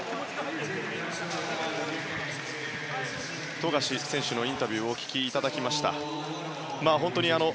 富樫選手のインタビューをお聞きいただきました。